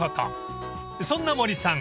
［そんな森さん